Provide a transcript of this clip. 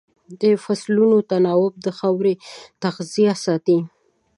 د فصلونو تناوب د خاورې تغذیه ساتي.